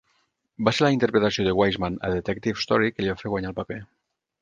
Va ser la interpretació de Wiseman a Detective Story que li va fer guanyar el paper.